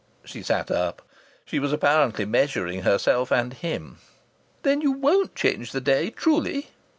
She sat up. She was apparently measuring herself and him. "Then you won't change the day, truly?"